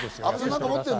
何か持ってる。